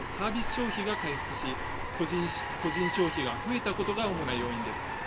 消費が回復し、個人消費が増えたことが主な要因です。